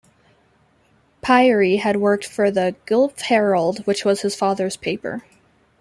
Pirie had worked for the "Guelph Herald" which was his father's paper.